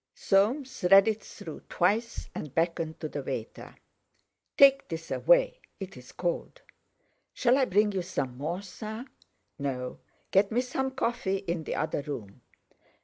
Soames read it through twice and beckoned to the waiter: "Take this away; it's cold." "Shall I bring you some more, sir?" "No. Get me some coffee in the other room."